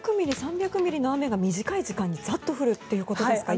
２００ミリ、３００ミリの雨が短時間に一気にざっと降るということですか。